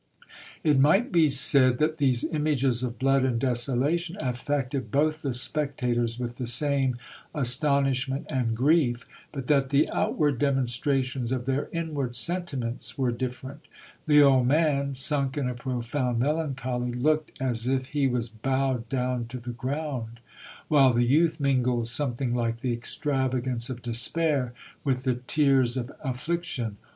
It might be said that these images of blood and desolation affected both the spectators with the same astonishment and grief, but that the outward demonstrations of their in ward sentiments were different The old man, sunk in a profound melancholy, looked as if he was bowed down to the ground ; while the youth mingled some thing like the extravagance of despair with the tears of affliction.